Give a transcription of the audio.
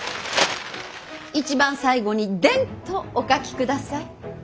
一番最後にデンとお書きください。